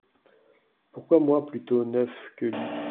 Pourquoi moi plutôt neuf que li ?…